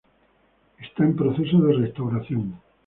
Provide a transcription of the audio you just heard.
Está en proceso de restauración.